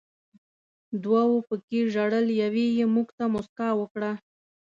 دوو پکې ژړل، یوې یې موږ ته موسکا وکړه.